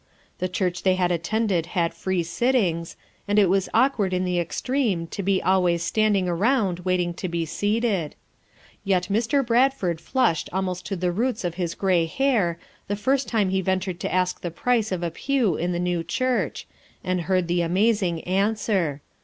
The church they had at tended had free sittings, and it was awkward in the extreme to be always standing around waiting to be seated ; yet Mr. Bradford flushed almost to the roots of his gray hair the first time he ventured to ask the price of a pew in the new church, and heard the amazing an swer.